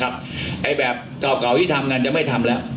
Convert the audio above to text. แบบเก่าที่ทำกันจะไม่ทำแล้ว